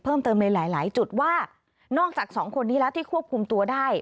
เพิ่มเติมในหลายจุดว่านอกจาก๒คนนี้แล้วที่ควบคุมตัวได้